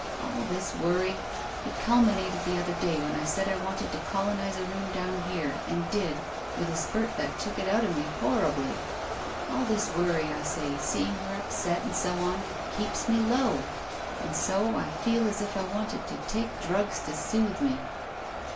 All this worry — it culminated the other day when I said I wanted to colonize a room down here, and did, with a spurt that took it out of me horribly, — all this worry, I say, seeing her upset and so on, keeps me low, and so I feel as if I wanted to take drugs to soothe me."